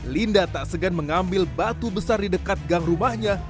linda tak segan mengambil batu besar di dekat gang rumahnya